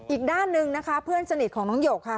อีกด้านหนึ่งนะคะเพื่อนสนิทของน้องหยกค่ะ